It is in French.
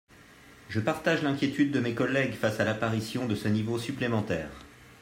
Je partage l’inquiétude de mes collègues face à l’apparition de ce niveau supplémentaire.